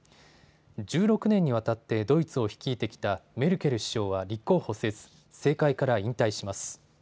１６年にわたってドイツを率いてきたメルケル首相は立候補せず、政界から引退します。